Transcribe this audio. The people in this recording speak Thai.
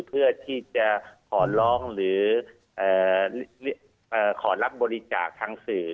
เพื่อที่จะขอร้องหรือขอรับบริจาคทางสื่อ